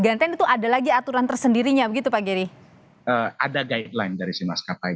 oke ada aturan tctors dari mas kak fai